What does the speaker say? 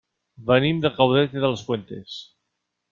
Venim de Caudete de las Fuentes.